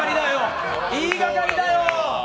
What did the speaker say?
言いがかりだよ！